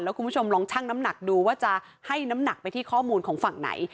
คุณผู้ชมลองชั่งน้ำหนักดูว่าจะให้น้ำหนักไปที่ข้อมูลของฝั่งไหน